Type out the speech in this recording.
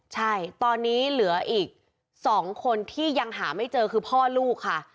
ใช่ตอนนี้เหลืออีก๒คนที่ยังหาไม่เจอคือพ่อลูกค่ะ